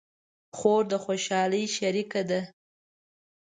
خور د خوشحالۍ شریکه ده.